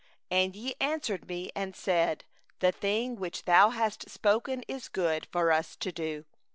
14And ye answered me, and said: 'The thing which thou hast spoken is good for us to do.